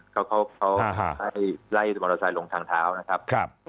เขาไล่มอเตอร์ไซค์ลงทางเท้านะครับ